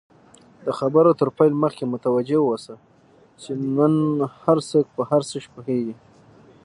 د خبرو تر پیل مخکی متوجه اوسه، چی نن هرڅوک په هرڅه ښه پوهیږي!